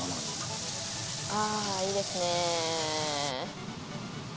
あいいですね